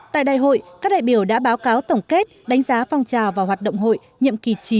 tại đại hội các đại biểu đã báo cáo tổng kết đánh giá phong trào và hoạt động hội